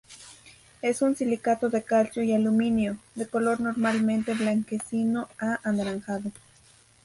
Es un silicato de calcio y aluminio, de color normalmente blanquecino a anaranjado.